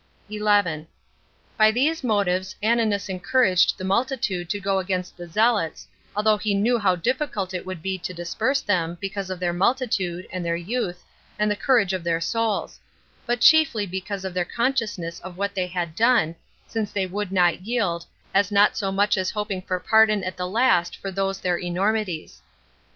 By these motives Ananus encouraged the multitude to go against the zealots, although he knew how difficult it would be to disperse them, because of their multitude, and their youth, and the courage of their souls; but chiefly because of their consciousness of what they had done, since they would not yield, as not so much as hoping for pardon at the last for those their enormities.